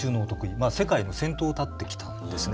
まあ世界の先頭を立ってきたんですね。